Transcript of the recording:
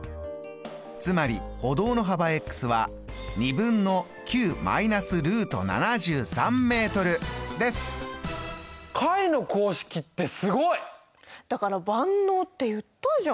つまり歩道の幅は解の公式ってすごい！だから万能って言ったじゃん！